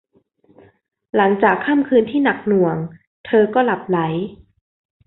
หลังจากค่ำคืนที่หนักหน่วง เธอก็หลับใหล